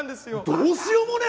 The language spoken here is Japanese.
どうしようもねえ